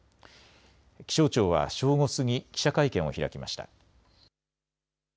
気象庁は正午過ぎ、記者会見を開きました。